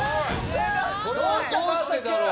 これはどうしてだろう？